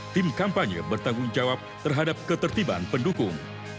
tim kampanye bertanggung jawab terhadap ketertiban pendukung